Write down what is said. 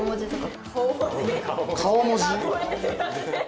顔文字？